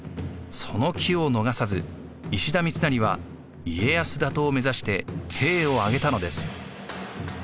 その機を逃さず石田三成は家康打倒を目指して兵を挙げたのです。